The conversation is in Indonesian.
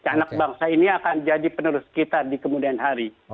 anak bangsa ini akan jadi penerus kita di kemudian hari